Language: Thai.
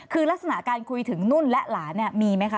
คือลักษณะการคุยถึงนุ่นและหลานเนี่ยมีไหมคะ